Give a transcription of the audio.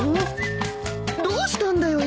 どうしたんだよ